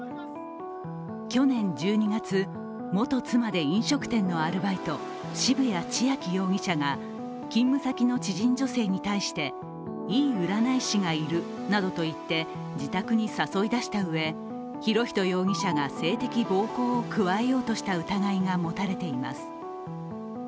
去年１２月、元妻で飲食店のアルバイト、渋谷千秋容疑者が勤務先の知人女性に対していい占い師がいるなどと言って自宅に誘い出したうえ博仁容疑者が性的暴行を加えようとした疑いが持たれています。